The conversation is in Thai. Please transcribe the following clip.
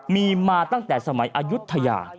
มีมาตั้งแต่สมัยอายุทยา